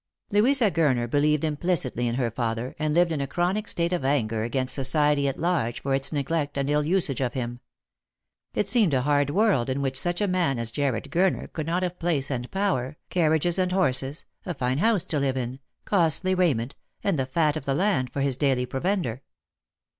Louisa Gurner believed implicitly in her father, and lived in a chronic state of anger against society at large for its neglect and ill usage of him. It seemed a hard world in which such a man as Jarred Gurner could not have place and power, carriages and horses, a fine house to live in, costly raiment, and the fat of the land for his daily provender.